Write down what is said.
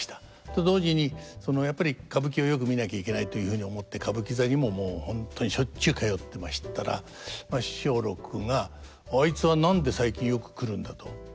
と同時にやっぱり歌舞伎をよく見なきゃいけないというふうに思って歌舞伎座にももう本当にしょっちゅう通ってましたら松緑が「あいつは何で最近よく来るんだ」と。